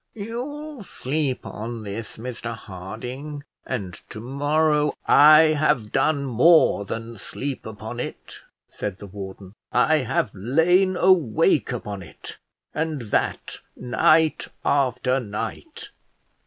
"You'll sleep on this, Mr Harding, and to morrow " "I have done more than sleep upon it," said the warden; "I have lain awake upon it, and that night after night.